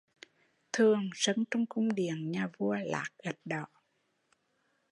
Thường sân trong cung điện nhà vua lát gạch đỏ